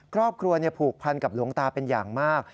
ครอบครัวผูกพันกับหลวงตาเป็นอย่างมาก